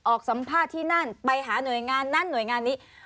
สัมภาษณ์ที่นั่นไปหาหน่วยงานนั้นหน่วยงานนี้